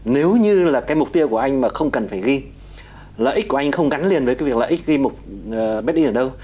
nếu như là cái mục tiêu của anh mà không cần phải ghi lợi ích của anh không gắn liền với cái việc lợi ích ghi made in ở đâu